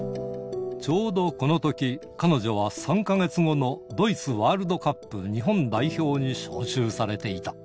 ちょうどこのとき、彼女は３か月後のドイツワールドカップ日本代表に招集されていた。